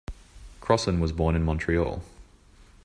Crossan was born in Montreal.